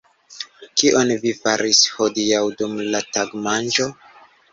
Kion vi faris hodiaŭ dum la tagmanĝo?